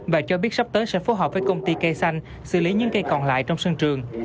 và cho biết sắp tới sẽ phối hợp với công ty cây xanh xử lý những cây còn lại trong sân trường